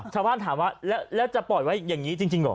ถามว่าแล้วจะปล่อยไว้อย่างนี้จริงเหรอ